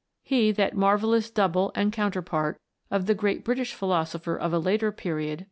He, that marvellous double and counterpart of the great British philosopher of a later period 206 A TALE OF A COMET.